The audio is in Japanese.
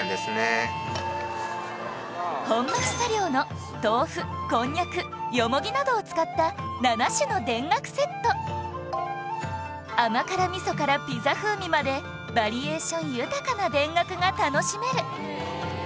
本町茶寮の豆腐こんにゃくよもぎなどを使った７種の田楽セット甘辛みそからピザ風味までバリエーション豊かな田楽が楽しめる